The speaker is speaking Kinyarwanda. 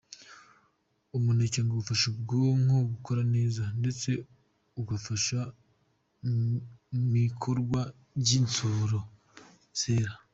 Umuneke ngo ufasha ubwonko gukora neza ndetse ugafasha mi ikorwa ry’insoro zera.